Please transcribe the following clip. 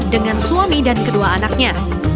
dengan suami dan kedua anaknya